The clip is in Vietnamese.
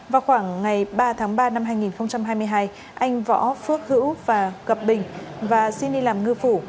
vào khoảng ngày ba tháng ba năm hai nghìn hai mươi hai anh võ phước hữu và gặp bình và xin đi làm ngư phủ